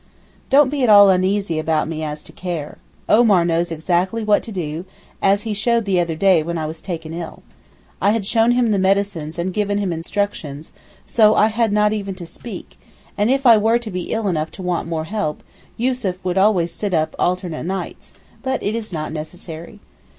Don't be at all uneasy about me as to care. Omar knows exactly what to do as he showed the other day when I was taken ill. I had shown him the medicines and given him instructions so I had not even to speak, and if I were to be ill enough to want more help, Yussuf would always sit up alternate nights; but it is not necessary.